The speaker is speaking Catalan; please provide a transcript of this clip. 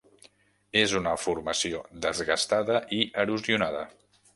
És una formació desgastada i erosionada.